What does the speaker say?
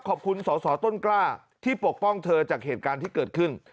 ขอบคุณสอสอต้นกล้าที่ปกป้องเธอจากเหตุการณ์ที่เกิดขึ้น